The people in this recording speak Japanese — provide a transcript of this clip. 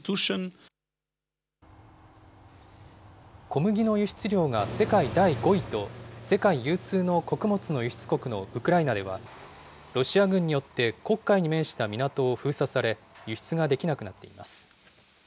小麦の輸出量が世界第５位と、世界有数の穀物の輸出国のウクライナでは、ロシア軍によって黒海に面した港を封鎖され、輸出ができなくなっています。